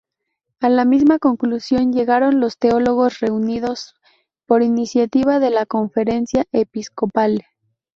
A la misma conclusión llegaron los teólogos reunidos por iniciativa de la Conferencia Episcopal